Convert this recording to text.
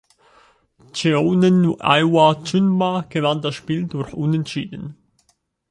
Cheonan Ilhwa Chunma gewann das Spiel durch Unentschieden.